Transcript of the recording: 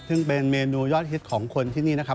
ซึ่งเป็นเมนูยอดฮิตของคนที่นี่นะครับ